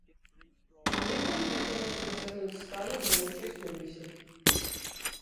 Некалі гэта можа дасягнуць стану грымучай сумесі.